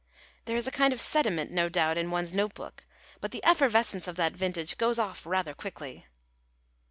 There is a kind of sediment, no doubt, in one's note book; but the effervescence of that vintage goes off rather quickly."